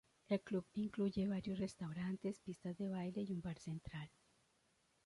El club incluye varios restaurantes, pistas de baile y un bar central.